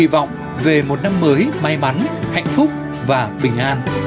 để mà trụng